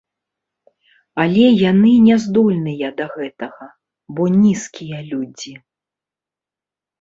Але яны не здольныя да гэтага, бо нізкія людзі.